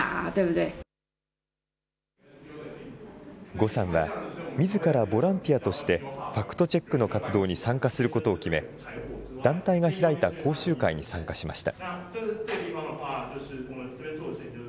呉さんは、みずからボランティアとしてファクトチェックの活動に参加することを決め、団体が開いた講習会に参加しました。